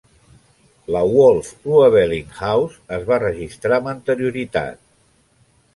La Wolf-Ruebeling House es va registrar amb anterioritat.